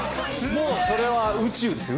もうそれは宇宙ですよ